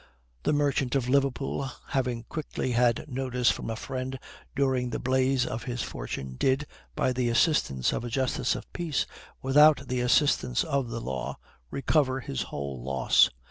The merchant of Liverpool, having luckily had notice from a friend during the blaze of his fortune, did, by the assistance of a justice of peace, without the assistance of the law, recover his whole loss.